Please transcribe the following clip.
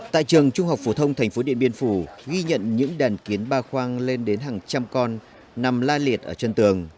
tại trường trung học phổ thông thành phố điện biên phủ ghi nhận những đàn kiến ba khoang lên đến hàng trăm con nằm la liệt ở chân tường